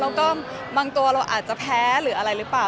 แล้วก็บางตัวเราอาจจะแพ้หรืออะไรหรือเปล่า